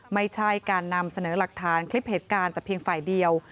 ไม่ใช่การนำเสนอหลักฐานคลิปเหตุการณ์แต่เพียงฝ่ายเดียว